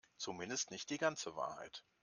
Zumindest nicht die ganze Wahrheit.